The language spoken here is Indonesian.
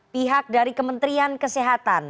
pihak dari kementerian kesehatan